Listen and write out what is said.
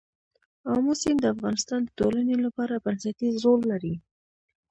آمو سیند د افغانستان د ټولنې لپاره بنسټيز رول لري.